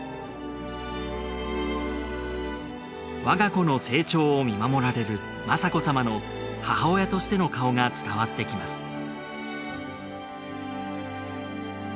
わが子の成長を見守られる雅子さまの母親としての顔が伝わってきます